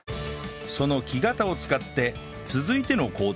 その木型を使って続いての工程は？